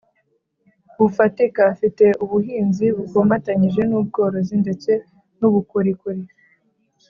bufatika. Afite ubuhinzi bukomatanyije n’ubworozi ndetse n’ubukorikori